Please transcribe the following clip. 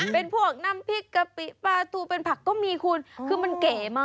เป็นพวกน้ำพริกกะปิปลาทูเป็นผักก็มีคุณคือมันเก๋มาก